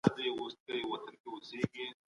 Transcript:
سیروتونین د رڼا سره تړاو لري.